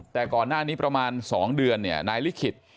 แต่ก่อนหน้านี้ประมาณ๒เดือนเนี่ยนายลิขิต